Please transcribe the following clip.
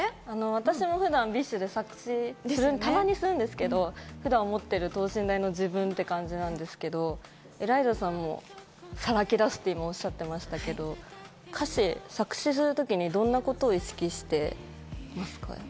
私は普段、ＢｉＳＨで作詞をたまにするんですけど、普段持ってる等身大の自分って感じですけど、ＥＬＡＩＺＡさんもさらけ出して、今おっしゃってましたけど、歌詞、作詞する時にどんなことを意識してますか？